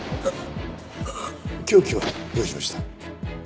凶器はどうしました？